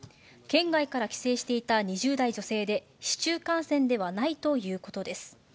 県外から帰省していた２０代女性で、市中感染ではないということです。